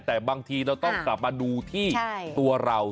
แต่บางทีเราต้องกลับมาดูที่ตัวเรา